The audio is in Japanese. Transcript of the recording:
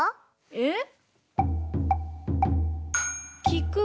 えっ？